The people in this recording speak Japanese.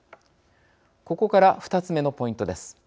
ここから２つ目のポイントです。